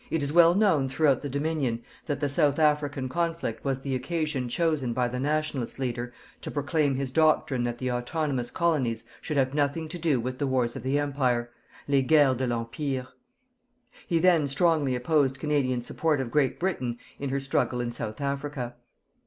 It is well known throughout the Dominion that the South African conflict was the occasion chosen by the "Nationalist" leader to proclaim his doctrine that the autonomous colonies should have nothing to do with the wars of the Empire LES GUERRES DE L'EMPIRE. He then strongly opposed Canadian support of Great Britain in her struggle in South Africa.